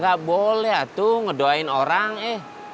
gak boleh tuh ngedoain orang eh